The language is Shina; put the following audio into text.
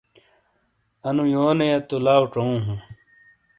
انو یونیا تو لاؤ ڇؤوں ہوں۔